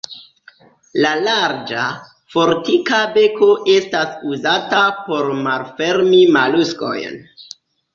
La larĝa, fortika beko estas uzata por malfermi moluskojn.